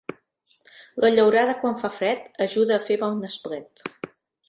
La llaurada quan fa fred ajuda a fer bon esplet.